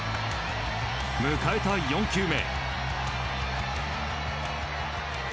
迎えた４球目。